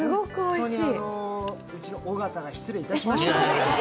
本当にうちの尾形が失礼いたしました。